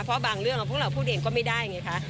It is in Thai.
เพราะบางเรื่องพวกเราพูดเองก็ไม่ได้ไงคะ